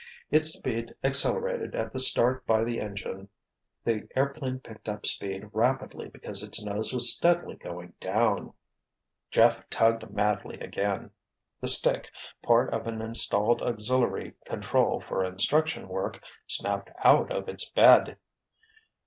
Its speed accelerated at the start by the engine the airplane picked up speed rapidly because its nose was steadily going down. Jeff tugged madly again. The stick, part of an installed auxiliary control for instruction work, snapped out of its bed.